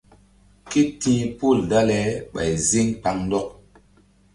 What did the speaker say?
Ké ti̧h pol dale ɓay ziŋ kpaŋndɔk.